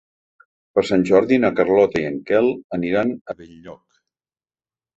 Per Sant Jordi na Carlota i en Quel aniran a Benlloc.